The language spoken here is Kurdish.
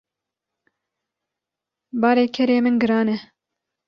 Barê kerê min giran e.